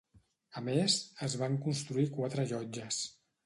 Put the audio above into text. A més, es van construir quatre llotges.